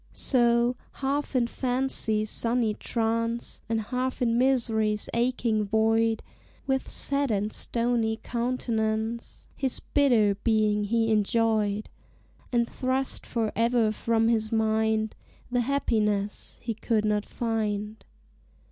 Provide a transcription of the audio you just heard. So, half in fancy's sunny trance, And half in misery's aching void With set and stony countenance His bitter being he enjoyed, And thrust for ever from his mind The happiness he could not find.